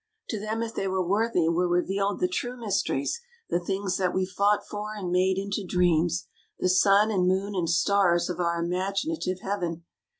To them, if they were worthy, were revealed the true mysteries, the things that we fought for and made into dreams, the sun and moon and stars of our imaginative heaven.